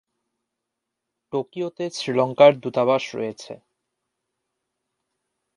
টোকিওতে শ্রীলঙ্কার দূতাবাস রয়েছে।